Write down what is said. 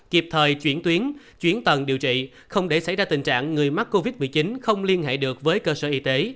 kịp thời chuyển tuyến chuyển tầng điều trị không để xảy ra tình trạng người mắc covid một mươi chín không liên hệ được với cơ sở y tế